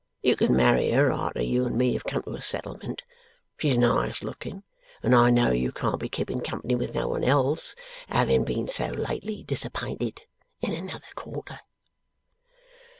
You can marry her, arter you and me have come to a settlement. She's nice looking, and I know you can't be keeping company with no one else, having been so lately disapinted in another quarter.